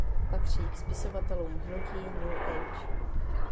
Patří k spisovatelům hnutí New Age.